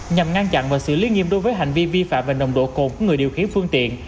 nhằm ngăn chặn và xử lý nghiêm đối với hành vi vi phạm về nồng độ cồn của người điều khiển phương tiện